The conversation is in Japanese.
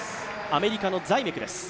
アメリカのザイメクです。